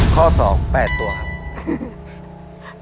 ข้อสองแปดตัวครับ